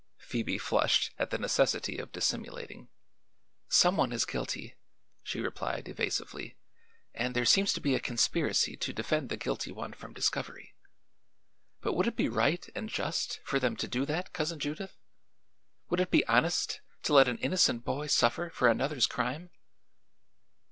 Phoebe flushed at the necessity of dissimulating. "Some one is guilty," she replied evasively, "and there seems to be a conspiracy to defend the guilty one from discovery. But would it be right and just for them to do that, Cousin Judith? Would it be honest to let an innocent boy suffer for another's crime?"